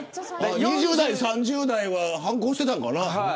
２０代、３０代は反抗してたのかな。